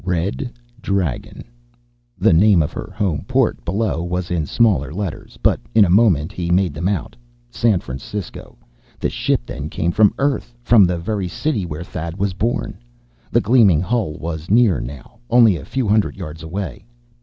Red Dragon. The name of her home port, below, was in smaller letters. But in a moment he made them out. San Francisco. The ship then came from the Earth! From the very city where Thad was born! The gleaming hull was near now. Only a few hundred yards away.